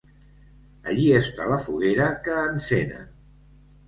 Allí està la foguera que encenen.